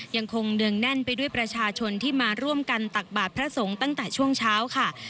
ยังคงเนืองแน่นไปด้วยประชาชนที่มาร่วมกันตักบาทพระสงฆ์ตั้งแต่ช่วงเช้าค่ะ